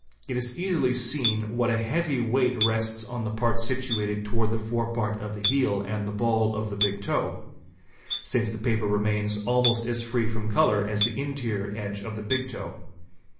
It is easily seen what a heavy weight rests on the parts situated towards the forepart of the heel and the ball of the big toe, since the paper remains almost as free from colour as the interior edge of the big toe.